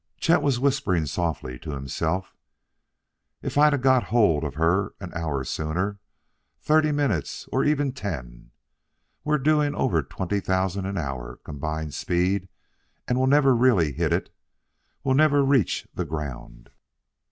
Chet was whispering softly to himself: "If I'd got hold of her an hour sooner thirty minutes or even ten.... We're doing over twenty thousand an hour combined speed, and we'll never really hit it.... We'll never reach the ground."